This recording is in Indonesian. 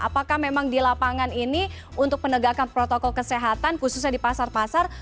apakah memang di lapangan ini untuk penegakan protokol kesehatan khususnya di pasar pasar